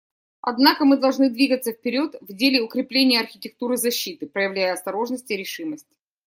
Однако мы должны двигаться вперед в деле укрепления архитектуры защиты, проявляя осторожность и решимость.